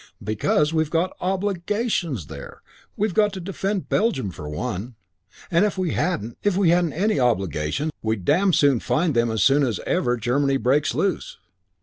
"Because we've got obligations there. We've got to defend Belgium, for one. And if we hadn't if we hadn't any obligations we'd pretty soon, we'd damn soon find them as soon as ever Germany breaks loose.